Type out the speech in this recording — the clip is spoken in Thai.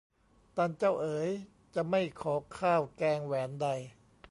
ตันเจ้าเอ๋ย จะไม่ขอข้าวแกงแหวนใด